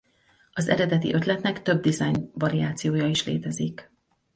Az eredeti ötletnek több dizájn variációja is létezik.